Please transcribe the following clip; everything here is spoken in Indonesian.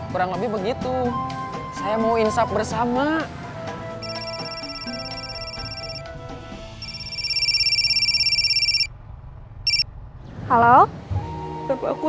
kurang lebih beginu